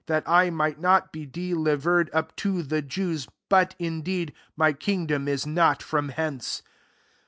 that I might not be delivered up to the Jews : but indeed my kingdom is not from hence."